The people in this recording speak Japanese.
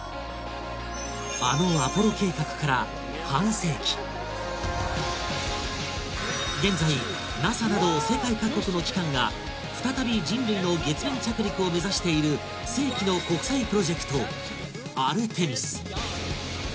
あのアポロ計画から半世紀現在ＮＡＳＡなど世界各国の機関が再び人類の月面着陸を目指している世紀の国際プロジェクト「アルテミス」